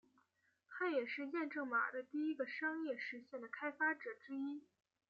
他也是验证码的第一个商业实现的开发者之一。